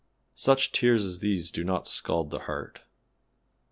"Such tears as these do not scald the heart.